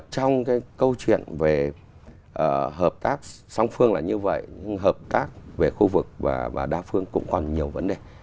trong cái câu chuyện về hợp tác song phương là như vậy nhưng hợp tác về khu vực và đa phương cũng còn nhiều vấn đề